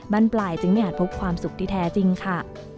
ปลายจึงไม่อาจพบความสุขที่แท้จริงค่ะ